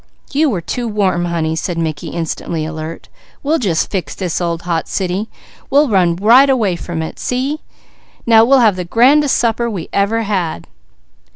"You were too warm honey," said Mickey. "We'll just fix this old hot city. We'll run right away from it. See? Now we'll have the grandest supper we ever had."